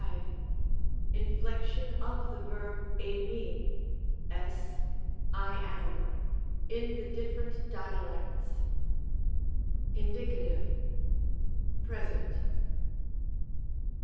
V. ESTFLEOnON OF THE VERB ii/ul (f^?)^ " I AM," IN THE DIFFEEENT DIALECTS. INDICATIVE. Present.